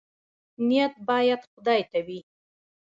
نیت باید خدای ته وي